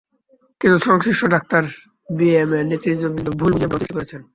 কিন্তু সংশ্লিষ্ট doctor BMA নেতৃবৃন্দকে ভুল বুঝিয়ে বর্তমান পরিস্থিতি সৃষ্টি করেছেন।